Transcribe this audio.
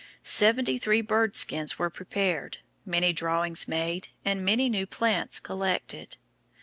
Seventy three bird skins were prepared, many drawings made, and many new plants collected.